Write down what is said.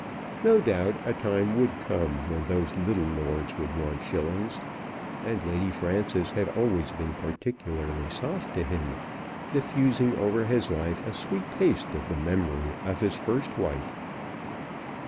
No doubt a time would come when those little lords would want shillings. And Lady Frances had always been particularly soft to him, diffusing over his life a sweet taste of the memory of his first wife.